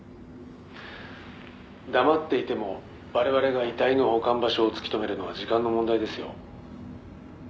黙っていても我々が遺体の保管場所を突き止めるのは時間の問題ですよ。